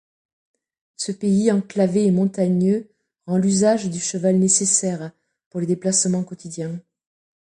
Ce pays enclavé et montagneux rend l'usage du cheval nécessaire pour les déplacements quotidiens.